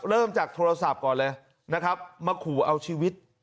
เริ่มจากโทรศัพท์ก่อนเลยนะครับมาขู่เอาชีวิต